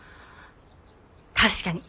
確かに。